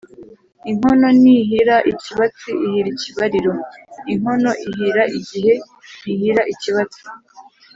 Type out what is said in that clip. Inkono ntihira ikibatsi ihira ikibariro (inkono ihira igihe, ntihira ikibatsi).